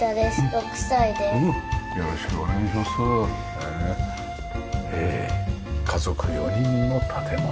へえ家族４人の建物。